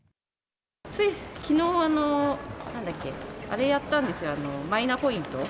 ついきのう、あれやったんですよ、マイナポイント。